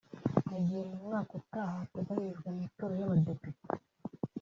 Mu gihe mu mwaka utaha hateganyijwe amatora y’abadepite